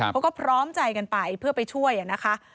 เขาก็พร้อมใจกันไปเพื่อไปช่วยนะคะ